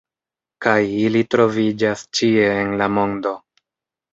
Kaj ili troviĝas ĉie en la mondo.